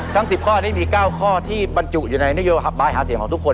๑๐ข้อนี้มี๙ข้อที่บรรจุอยู่ในนโยบายหาเสียงของทุกคน